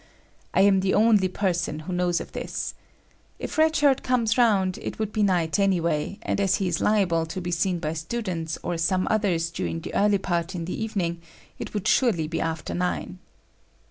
I am the only person who knows of this. If Red Shirt comes round, it would be night anyway, and as he is liable to be seen by students or some others during the early part in the evening, it would surely be after nine.